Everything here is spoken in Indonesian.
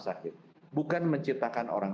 sakit bukan menciptakan orang